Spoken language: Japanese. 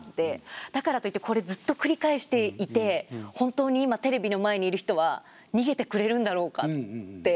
だからといってこれずっと繰り返していて本当に今テレビの前にいる人は逃げてくれるんだろうかってやっぱり言いながら。